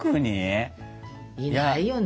いないよね。